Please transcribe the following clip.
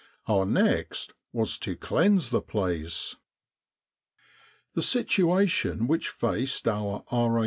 Our next was to cleanse the place. The situation which faced our R.A.